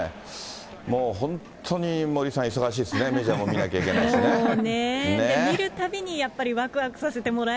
もう本当に森さん、忙しいですね、メジャーも見なきゃいけな洗っても落ちない